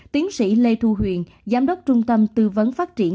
tiến sĩ lê thu huyền giám đốc trung tâm tư vấn phát triển